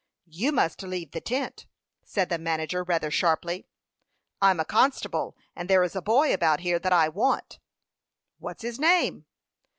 "You must leave the tent," said the manager, rather sharply. "I am a constable, and there is a boy about here that I want." "What's his name?"